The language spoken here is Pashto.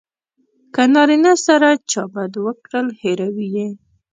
که نارینه سره چا بد وکړل هیروي یې.